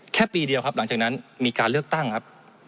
แค่ปีเดียวครับหลังจากนั้นมีการเลือกตั้งครับ